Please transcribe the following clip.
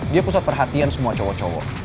dia pusat perhatian semua cowok cowok